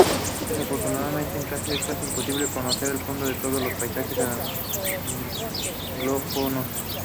Desafortunadamente, es casi imposible conocer a fondo todos los países anglófonos...